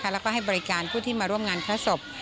แล้วก็ให้บริการผู้ที่มาร่วมงานพระศพ